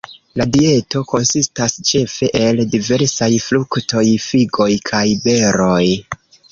La dieto konsistas ĉefe el diversaj fruktoj, figoj kaj beroj.